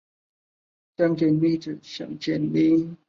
万历三十五年。